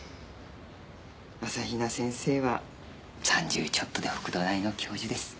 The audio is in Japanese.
朝比奈先生は３０ちょっとで北斗大の教授です。